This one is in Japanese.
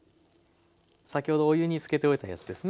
先ほどお湯につけておいたやつですね。